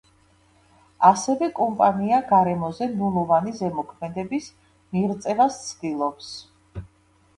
ასევე კომპანია გარემოზე ნულოვანი ზემოქმედების მიღწევას ცდილობს.